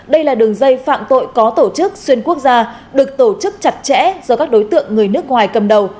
đây là đường dây phạm tội có tổ chức xuyên quốc gia được tổ chức chặt chẽ do các đối tượng người nước ngoài cầm đầu